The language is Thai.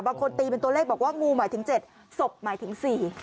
บางคนตีเป็นตัวเลขบอกว่างูหมายถึง๗ศพหมายถึง๔